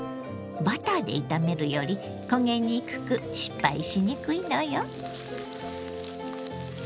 バターで炒めるより焦げにくく失敗しにくいのよ。